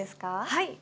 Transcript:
はい。